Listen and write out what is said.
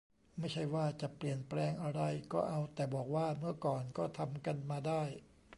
ไม่ใช่ว่าจะเปลี่ยนแปลงอะไร ก็เอาแต่บอกว่า เมื่อก่อนก็ทำกันมาได้